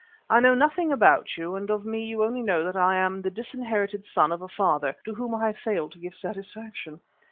I know nothing about you, and of me you only know that I am the disinherited son of a father, to whom I have failed to give satisfaction.